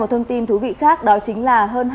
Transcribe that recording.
một thông tin thú vị khác đó chính là hơn